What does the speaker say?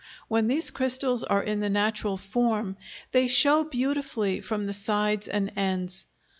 When these crystals are in the natural form, they show beautifully from the sides and ends.